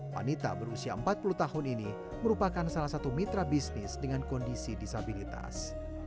wanita berusia empat puluh tahun ini merupakan salah satu mitra bisnis dengan kondisi disabilitas